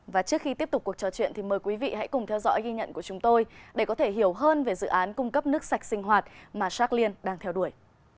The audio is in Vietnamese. và trước khi tiếp tục cuộc trò chuyện thì mời quý vị hãy cùng theo dõi ghi nhận của chúng tôi để có thể hiểu hơn về dự án cung cấp nước sạch sinh hoạt mà shark liên đang theo đuổi